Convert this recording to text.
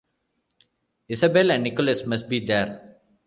Isabel and Nikolas must be there.